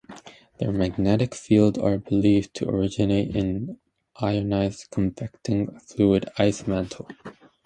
Their magnetic fields are believed to originate in an ionized convecting fluid-ice mantle.